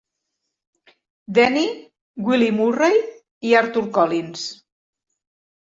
Denny, Billy Murray i Arthur Collins.